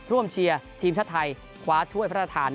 เชียร์ทีมชาติไทยคว้าถ้วยพระราชทาน